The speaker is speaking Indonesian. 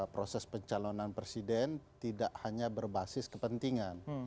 proses pencalonan presiden tidak hanya berbasis kepentingan